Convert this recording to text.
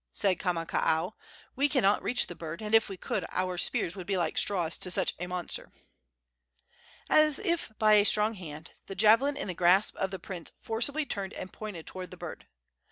said Kamakaua. "We cannot reach the bird, and, if we could, our spears would be like straws to such a monster." As if by a strong hand, the javelin in the grasp of the prince forcibly turned and pointed toward the bird.